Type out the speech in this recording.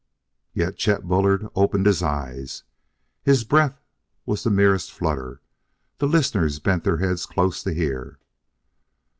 Yet Chet Bullard opened his eyes. His breath was the merest flutter; the listeners bent their heads close to hear.